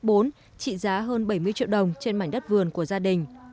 trị giá hơn bảy mươi triệu đồng trên mảnh đất vườn của gia đình